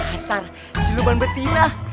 masar siluman betina